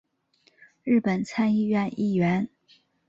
日本参议院议员。